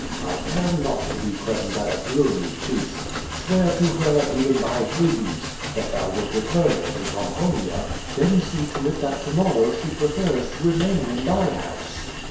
I care not to be present at a gloomy feast. Swear to her, even by Hades, that thou wilt return her to Pomponia, then see to it that to morrow she prefers to remain in thy house.